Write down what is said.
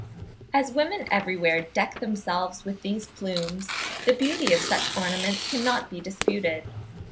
As women everywhere deck themselves with these plumes, the beauty of such ornaments cannot be disputed.